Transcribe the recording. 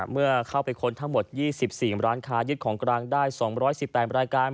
เมื่อเข้าไปค้นทั้งหมด๒๔ร้านค้ายึดของกลางได้๒๑๘รายการ